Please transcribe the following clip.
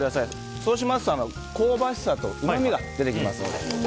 そうしますと、香ばしさとうまみが出てきますので。